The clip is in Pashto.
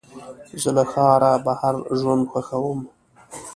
زه له ښاره بهر ژوند خوښوم.